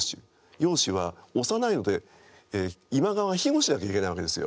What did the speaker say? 幼主は幼いので今川は庇護しなきゃいけないわけですよ。